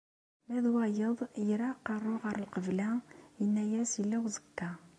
Ma d wayeḍ yerra aqerru ɣer lqebla, yenna-as yella uẓekka.